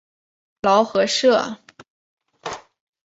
劳合社。